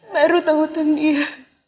bapak harus tanggung dia